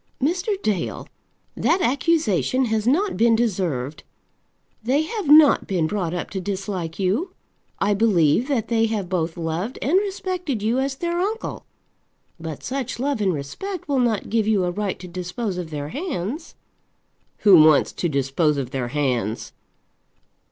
"Mr. Dale, that accusation has not been deserved. They have not been brought up to dislike you. I believe that they have both loved and respected you as their uncle; but such love and respect will not give you a right to dispose of their hands." "Who wants to dispose of their hands?"